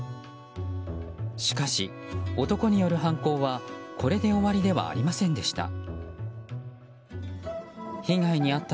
しかし男による犯行はこれで終わりではありませんでした。